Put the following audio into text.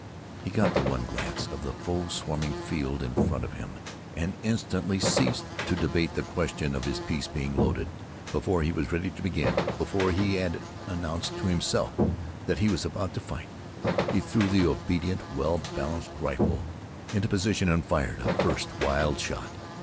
He got the one glance at the foe swarming field in front of him, and instantly ceased to debate the question of his piece being loaded. Before he was ready to begin before he had announced to himself that he was about to fight he threw the obedient, well balanced rifle into position and fired a first wild shot.